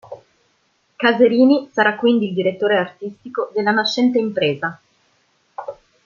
Caserini sarà quindi il direttore artistico della nascente impresa.